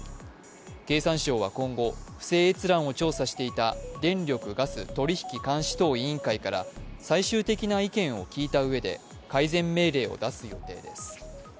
経産省は今後不正閲覧を調査していた電力・ガス取引監視等委員会から最終的な意見を聞いたうえで改善命令を出す予定です。